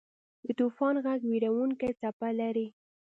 د طوفان ږغ وېرونکې څپه لري.